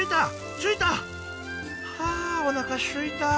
ついた！はあおなかすいた。